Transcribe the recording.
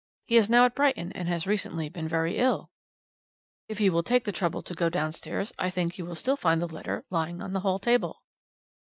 He is now at Brighton, and has recently been very ill. "'If you will take the trouble to go downstairs I think you will still find the letter lying on the hall table.